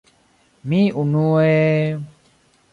Mi unue...